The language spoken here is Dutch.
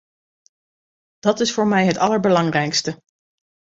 Dat is voor mij het allerbelangrijkste.